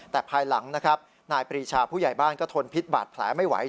แต่ภายหลังนะครับนายปรีชาผู้ใหญ่บ้านก็ทนพิษบาดแผลไม่ไหว